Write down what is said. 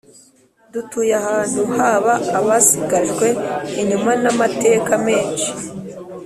Dutuye ahantu haba abasigajwe inyuma na mateka benshi